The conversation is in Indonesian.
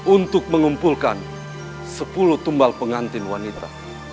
untuk mengumpulkan sepuluh tumbal pengantin wanita